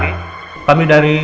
aku mudah zodiah